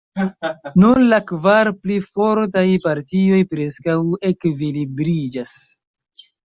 Nun la kvar pli fortaj partioj preskaŭ ekvilibriĝas.